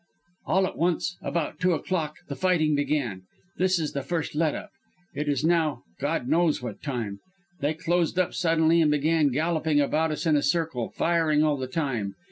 "All at once, about two o'clock, the fighting began. This is the first let up. It is now God knows what time. They closed up suddenly and began galloping about us in a circle, firing all the time.